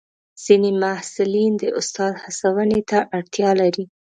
ځینې محصلین د استاد هڅونې ته اړتیا لري.